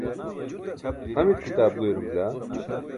amit kitaap goyarum bila?